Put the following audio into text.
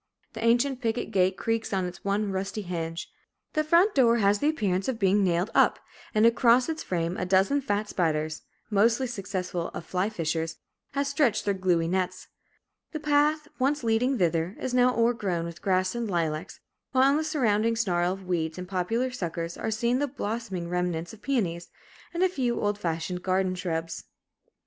The ancient picket gate creaks on its one rusty hinge. The front door has the appearance of being nailed up, and across its frame a dozen fat spiders, most successful of fly fishers, have stretched their gluey nets. The path, once leading thither, is now o'ergrown with grass and lilacs, while in the surrounding snarl of weeds and poplar suckers are seen the blossoming remnants of peonies, and a few old fashioned garden shrubs.